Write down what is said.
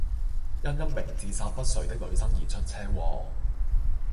因一名自殺不遂的女生而出車禍